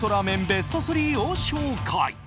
ベスト３を紹介。